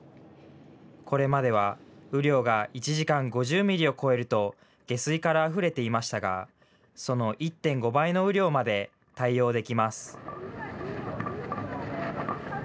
これまでは雨量が１時間５０ミリを超えると下水からあふれていましたがその１．５倍の雨量まで対応できます。